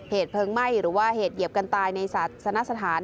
เหตุเพลิงไหม้หรือว่าเหตุเหยียบกันตายในศาสนสถาน